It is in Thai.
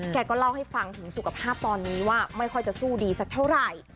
แกก็เล่าให้ฟังถึงสุขภาพตอนนี้ว่าไม่ค่อยจะสู้ดีสักเท่าไหร่